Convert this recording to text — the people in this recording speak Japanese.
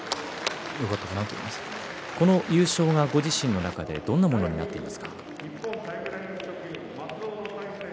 この優勝はご自身の中でどんなものになっていますか。